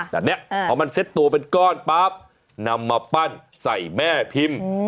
ผสมเสร็จตัวเป็นก้อนนำมาปั้นใส่แม่พิมพ์